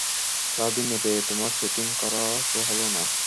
সারাদিন নেটে তোমার চ্যাটিং করা তো হলো না।